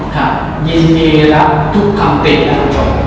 ค่ะยินดีรับทุกคำเป็นและรับจบ